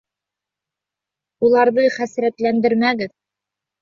Уларҙы хәсрәтләндермәгеҙ.